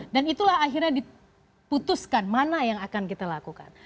dan itulah akhirnya diputuskan mana yang akan kita lakukan